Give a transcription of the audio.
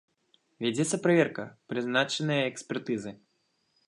Вядзецца праверка, прызначаныя экспертызы.